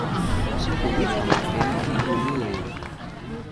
Kuwika mapemba igunienyi.